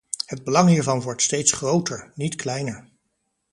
Het belang hiervan wordt steeds groter, niet kleiner.